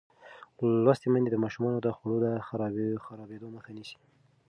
لوستې میندې د ماشومانو د خوړو د خرابېدو مخه نیسي.